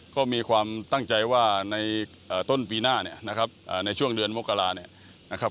ก็มีความตั้งใจว่าในต้นปีหน้าในช่วงเดือนมกรา